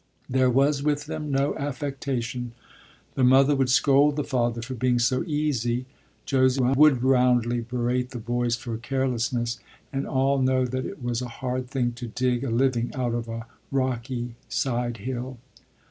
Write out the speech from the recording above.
There was with them no affectation. The mother would scold the father for being so "easy"; Josie would roundly berate the boys for carelessness; and all know that it was a hard thing to dig a living out of a rocky side hill.